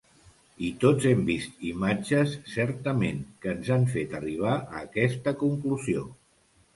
I tots hem vist imatges, certament, que ens han fet arribar a aquesta conclusió.